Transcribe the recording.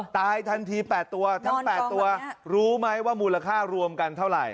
ตายทันที๘ตัวทั้ง๘ตัวรู้ไหมว่ามูลค่ารวมกันเท่าไหร่